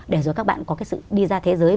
để rồi các bạn có cái sự đi ra thế giới